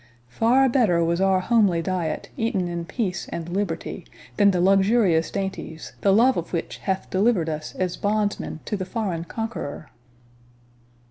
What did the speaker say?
Far better was our homely diet, eaten in peace and liberty, than the luxurious dainties, the love of which hath delivered us as bondsmen to the foreign conqueror!"